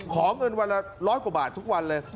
ขอเงินวันละ๑๐๐กว่าบาททุกวันเลย